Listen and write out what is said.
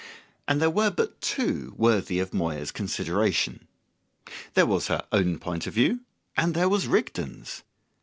And there were but two worthy of Moya's consideration. There was her own point of view, and there was Rigden's.